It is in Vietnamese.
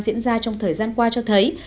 diễn ra trong thời gian qua cho thấy